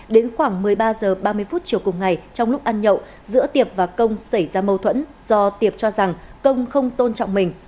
đến khoảng một mươi ba h ba mươi phút chiều cùng ngày trong lúc ăn nhậu giữa tiệp và công xảy ra mâu thuẫn do tiệp cho rằng công không tôn trọng mình